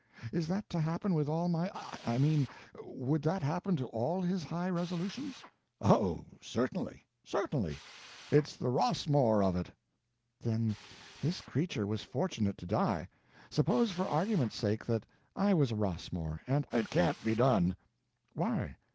"Is that to happen with all my—I mean would that happen to all his high resolutions?" "Oh certainly—certainly. It's the Rossmore of it." "Then this creature was fortunate to die! Suppose, for argument's sake, that I was a Rossmore, and—" "It can't be done." "Why?"